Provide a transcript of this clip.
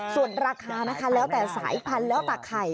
ส่วนราคานะคะแล้วแต่สายพันธุ์แล้วแต่ไข่